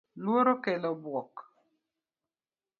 Luoro kelo bwok .